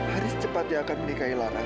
haris cepatnya akan menikahi lara